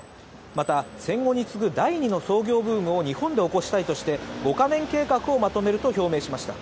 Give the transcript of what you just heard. また、戦後に次ぐ第二の創業ブームを日本で起こしたいとして、５か年計画をまとめると表明しました。